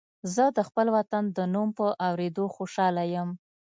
زه د خپل وطن د نوم په اورېدو خوشاله یم